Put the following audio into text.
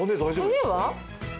骨は？